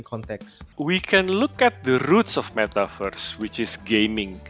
kita bisa melihat asasnya metaverse yaitu gaming